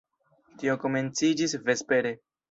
Tio komenciĝis vespere.